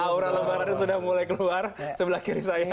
aura lebarannya sudah mulai keluar sebelah kiri saya